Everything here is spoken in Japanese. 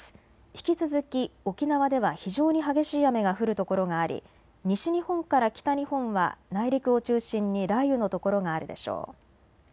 引き続き沖縄では非常に激しい雨が降る所があり、西日本から北日本は内陸を中心に雷雨の所があるでしょう。